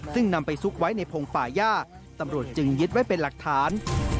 ซึ่งนำไปซุกไว้ในพงป่าย่าตำรวจจึงยึดไว้เป็นหลักฐาน